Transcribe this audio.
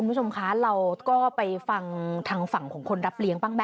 เพราะว่าจะยื้อกลับไปก็จะเจ็บปวดนะคะ